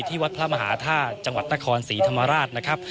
ที่วัดพระมหาท่าจังหวัดตะคร๔ธมราชนะครับ